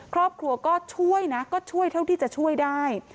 ครอบครัวก็ช่วยนะก็ช่วยเท่าที่จะช่วยได้